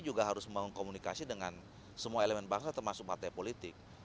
juga harus mengkomunikasi dengan semua elemen bangsa termasuk partai politik